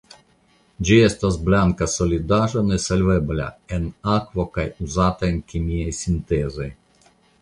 Ĝi estas blanka solidaĵo nesolvebla en akvo kaj uzata en kemiaj sintezoj.